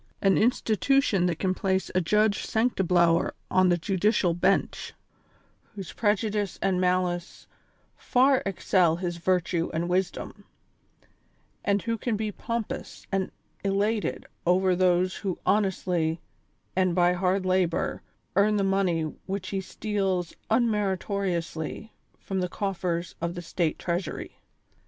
An institution that can place a Judge Sanctiblower on the judicial bencli, whose prejudice and malice far excel his virtue and wisdom ; and who can be pompous and elated over those who honestly, and by hard labor, earn the money which he steals unmeritoriously from the cof fers of the state treasury.